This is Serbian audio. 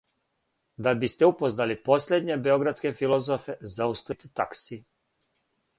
Да бисте упознали последње београдске филозофе, зауставите такси.